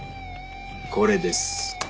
これです。